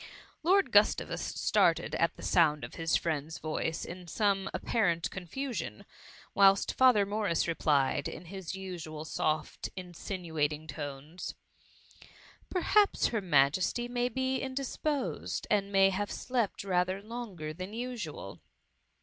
Lord Gustavus started at the sound of his THE MUMMY. ^66 friend^s voice in some apparent confusion, whilst Father Morris replied in his usual soft, inmnuat ing tones, ^* Perhaps her Majesty maybe in disposed, and may have slept rather longer than usual.